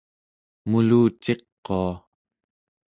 muluciqua